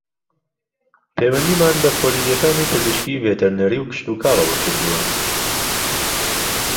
پهیوهندیمان به کۆلێجهکانی پزیشکیی ڤێتهرنهری و کشتوکاڵهوه کردووه